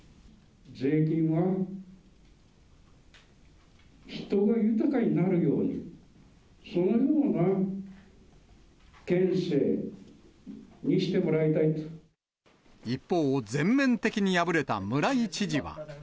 税金は人が豊かになるように、一方、全面的に敗れた村井知事は。